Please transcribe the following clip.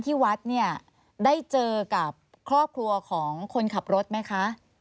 ที่วัดเนี่ยได้เจอกับครอบครัวของคนขับรถไหมคะ